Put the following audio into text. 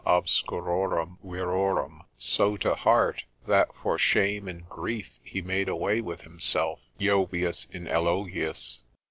obscurorum virorum, so to heart, that for shame and grief he made away with himself, Jovius in elogiis.